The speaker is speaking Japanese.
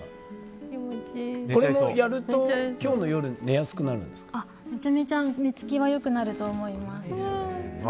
これもやるとめちゃめちゃ寝つきは良くなると思います。